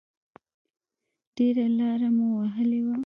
ډېره لاره مو وهلې وه.